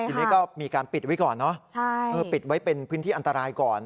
ทีนี้ก็มีการปิดไว้ก่อนเนอะปิดไว้เป็นพื้นที่อันตรายก่อน